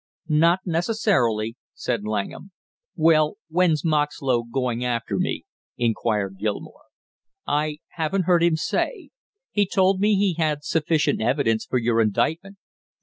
"Not necessarily," said Langham. "Well, when's Moxlow going after me?" inquired Gilmore. "I, haven't heard him say. He told me he had sufficient evidence for your indictment."